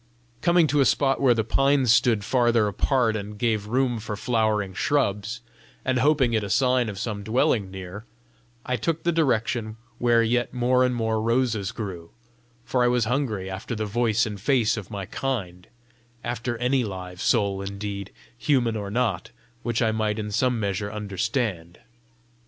Coming to a spot where the pines stood farther apart and gave room for flowering shrubs, and hoping it a sign of some dwelling near, I took the direction where yet more and more roses grew, for I was hungry after the voice and face of my kind after any live soul, indeed, human or not, which I might in some measure understand.